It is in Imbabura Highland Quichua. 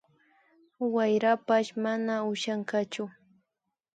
Wayrapash mana ushankachu